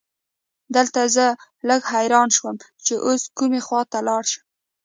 دلته زه لږ حیران شوم چې اوس کومې خواته لاړ شم.